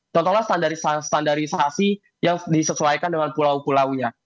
contohlah standarisasi yang disesuaikan dengan pulau pulaunya